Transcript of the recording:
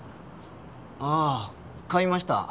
ああ買いました。